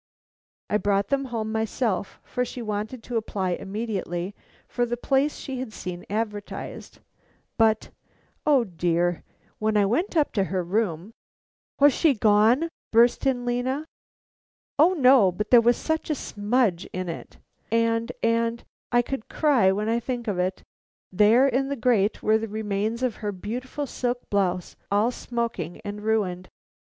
I brought them home myself, for she wanted to apply immediately for the place she had seen advertised, but, O dear, when I went up to her room " "Was she gone?" burst in Lena. "O no, but there was such a smudge in it, and and I could cry when I think of it there in the grate were the remains of her beautiful silk blouse, all smoking and ruined.